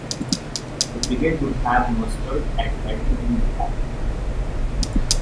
The brigade would have mustered at Redhill in time of war.